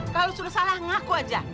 kalau sudah salah ngaku aja